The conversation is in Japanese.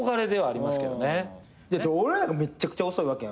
俺らなんかめちゃくちゃ遅いわけやん。